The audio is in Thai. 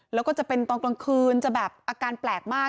แล้วก็จะเป็นตอนกลางคืนจะแบบอาการแปลกมาก